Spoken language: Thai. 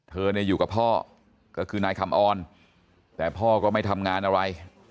เธอเนี่ยอยู่กับพ่อก็คือนายคำออนแต่พ่อก็ไม่ทำงานอะไร